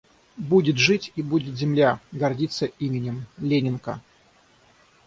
Будет жить, и будет земля гордиться именем: Ленинка.